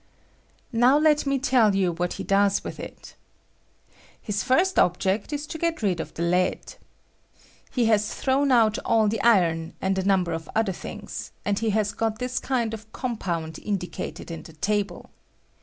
Now let me teU you what he does with it. Hia first object ia to get rid of the lead. He has thrown out all the iron, and a number of other things, and he has got this kind of compound indicated in the table.